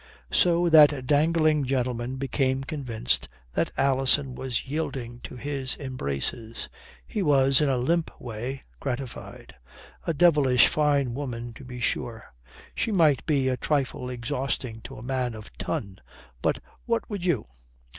So that dangling gentleman became convinced that Alison was yielding to his embraces. He was, in a limp way, gratified. A devilish fine woman to be sure. She might be a trifle exhausting to a man of ton. But what would you?